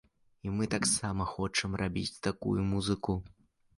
І мы таксама хочам рабіць такую музыку.